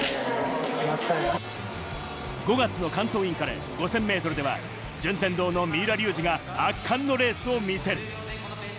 ５月の関東インカレ、５０００ｍでは順天堂の三浦龍司が圧巻のレースを見せる。